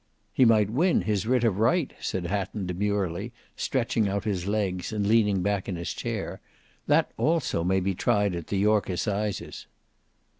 "He might win his writ of right," said Hatton demurely, stretching out his legs and leaning back in his chair. "That also may be tried at the York Assizes."